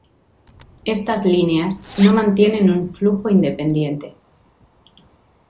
Estas líneas no mantienen un flujo independiente.